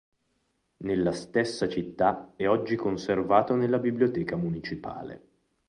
Nella stessa città è oggi conservato nella biblioteca municipale.